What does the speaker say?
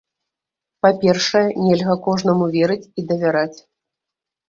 Па-першае, нельга кожнаму верыць і давяраць.